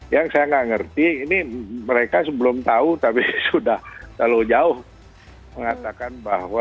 yang saya nggak ngerti ini mereka belum tahu tapi sudah terlalu jauh mengatakan bahwa